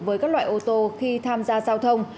với các loại ô tô khi tham gia giao thông